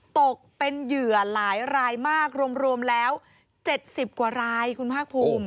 ตกเป็นเหยื่อหลายรายมากรวมแล้ว๗๐กว่ารายคุณภาคภูมิ